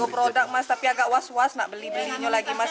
dua produk mas tapi agak was was nggak beli belinya lagi mas